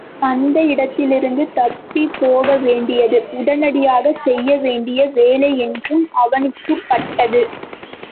அந்த இடத்திலிருந்து தப்பிப் போகவேண்டியது உடனடியாகச் செய்ய வேண்டிய வேலையென்று அவனுக்குப் பட்டது.